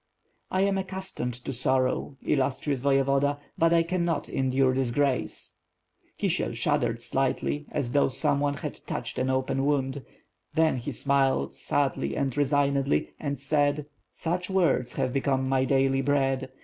"I am accustomed to sorrow, illustrious Voyevoda, but I cannot endure disgrace." Kisiel shuddered slightly, as though someone had touched an open wound; then he smiled, sadly and resignedly, and said: "Such words have become my daily bread.